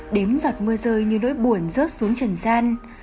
đếm giọt mưa rơi như nỗi buồn rớt xuống trần gian